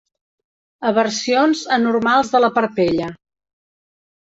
Eversions anormals de la parpella.